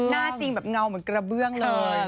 หน้าจริงแบบเงาเหมือนกระเบื้องเลย